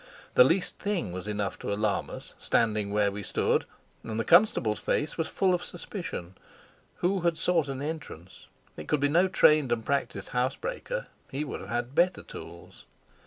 The least thing was enough to alarm us, standing where we stood, and the constable's face was full of suspicion. Who had sought an entrance? It could be no trained and practised housebreaker; he would have had better tools.